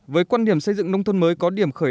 với quan điểm xây dựng nông thôn mới có điểm khởi